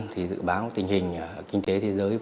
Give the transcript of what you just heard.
thì dự báo tình hình